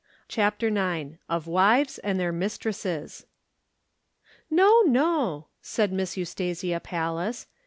CHAPTER IX. OF WIVES AND THEIR MISTRESSES. "No, no," said Miss Eustasia Pallas.